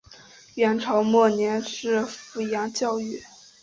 元朝末年是富阳教谕。